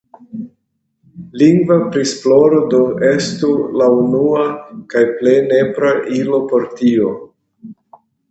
Lingva prisploro do estu la unua kaj plej nepra ilo por tio.